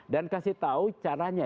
dan kasih tahu caranya